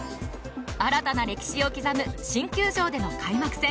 新たな歴史を刻む新球場での開幕戦。